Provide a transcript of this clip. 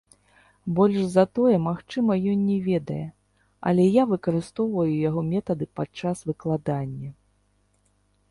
Больш за тое, магчыма, ён не ведае, але я выкарыстоўваю яго метады падчас выкладання.